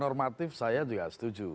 normatif saya juga setuju